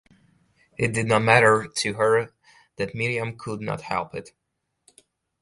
It did not matter to her that Miriam could not help it.